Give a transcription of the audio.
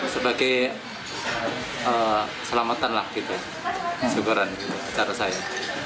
sebagai selamatan lah gitu syukuran secara saya